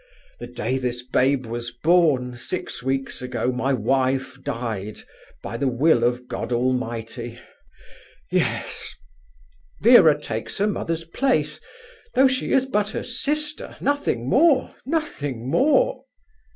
The day this babe was born, six weeks ago, my wife died, by the will of God Almighty.... Yes... Vera takes her mother's place, though she is but her sister... nothing more... nothing more..."